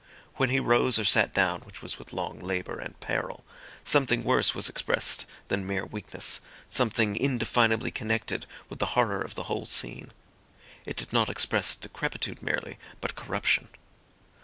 When he rose or sat down, which was with long labour and peril, something worse was expressed than mere weakness, something indefinably connected with the horror of the whole scene. It did not express decrepitude merely, but corruption.